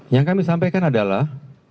yang kami sampaikan adalah